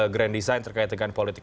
grand design terkait dengan politik